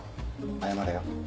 謝れよ。